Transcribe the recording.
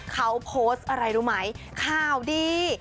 เขาโพสต์อะไรรู้ไหมข่าวดี